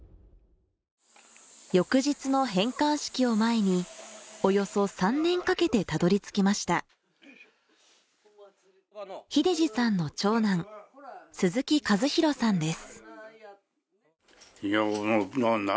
翌日の返還式を前におよそ３年かけてたどりつきました秀二さんの長男鈴木一弘さんです